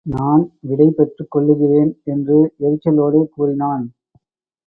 நான் விடைப் பெற்றுக் கொள்ளுகிறேன் என்று எரிச்சலோடு கூறினான்.